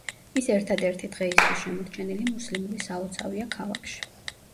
ის ერთადერთი დღეისთვის შემორჩენილი მუსლიმური სალოცავია ქალაქში.